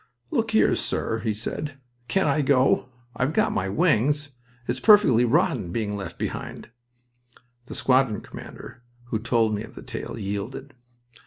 "Look here, sir," he said. "Can't I go? I've got my wings. It's perfectly rotten being left behind." The squadron commander, who told me of the tale, yielded.